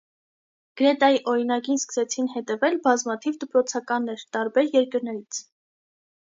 Գրետայի օրինակին սկսեցին հետևել բազմաթիվ դպրոցականներ՝ տարբեր երկրներից։